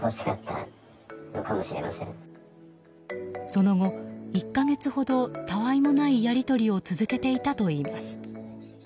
その後、１か月ほどたわいもないやり取りを続けていたといいます。